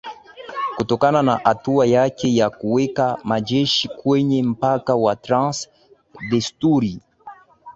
kutokana na hatua yake ya kuweka majeshi kwenye mpaka wa trans desturi